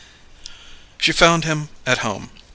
She found him at home.